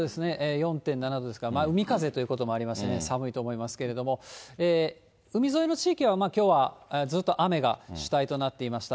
４．７度ですから、海風ということもありまして、寒いと思いますけれども、海沿いの地域はきょうはずっと雨が主体となっていました。